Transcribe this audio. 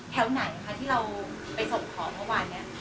ไหนคะที่เราไปส่งของเมื่อวานนี้